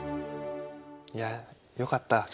いやよかった。